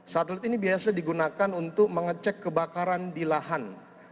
satelit ini biasa digunakan untuk mengecek kebakaran di lahan